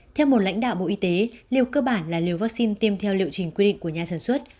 theo một lãnh đạo bộ y tế liệu cơ bản là liều vaccine tiêm theo liệu trình quy định của nhà sản xuất